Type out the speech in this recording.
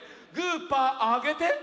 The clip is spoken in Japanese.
グーパーあげて。